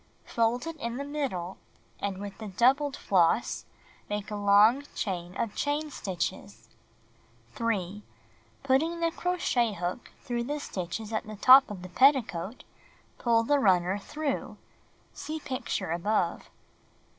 Fold it in the middle, and with the doubled floss, make ^11^^ a long chain of chain stitches. ■^^^ 3. Putting the crochet hook through the stitches at the top WiEl^ffi! of the petticoat, pull the runner through. (See picture above.)